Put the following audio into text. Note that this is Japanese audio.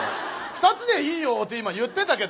「２つでいいよ」って今言ってたけどね。